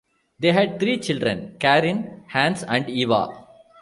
They had three children: Karin, Hans and Eva.